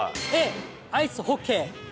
Ａ、アイスホッケー。